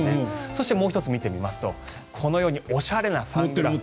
そして、もう１つ見てみますとこのようにおしゃれなサングラス。